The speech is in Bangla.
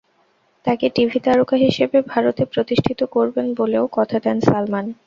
তাঁকে টিভি তারকা হিসেবে ভারতে প্রতিষ্ঠিত করবেন বলেও কথা দেন সালমান।